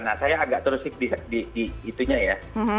nah saya agak terusik di itunya ya